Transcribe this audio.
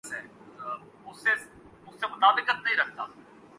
Switzer land